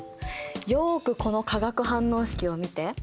よくこの化学反応式を見て！